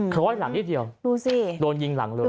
คล้อยหลังนิดเดียวดูสิโดนยิงหลังเลย